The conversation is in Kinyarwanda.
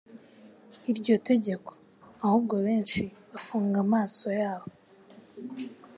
iryo tegeko. Ahubwo benshi bafunga amaso yabo